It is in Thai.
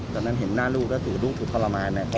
ตอนนั้นเห็นหน้าลูกแล้วถูกลูกถูกทรมาน